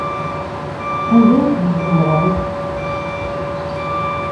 Anda ay ten-tzemḍem?